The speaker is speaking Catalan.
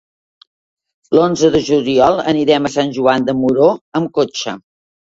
L'onze de juliol anirem a Sant Joan de Moró amb cotxe.